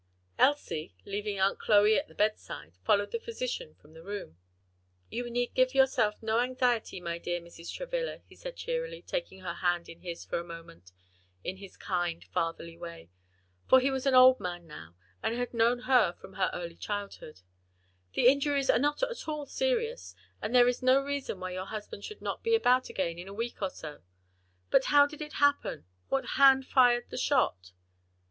Elsie, leaving Aunt Chloe at the bedside, followed the physician from the room. "You need give yourself no anxiety, my dear Mrs. Travilla," he said cheerily, taking her hand in his for a moment, in his kind fatherly way for he was an old man now, and had known her from her early childhood "the injuries are not at all serious, and there is no reason why your husband should not be about again in a week or so. But how did it happen? What hand fired the shot?"